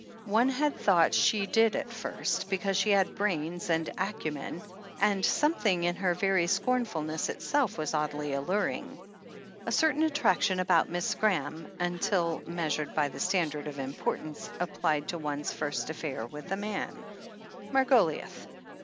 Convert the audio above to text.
One had thought she did at first, because she had brains and acumen, and some thing in her very scomfulness itself was oddly alluring. A certain attraction about Miss Graham — ^until meas ured by the standard of importance applied to one's first affair with a man. Margoliouth.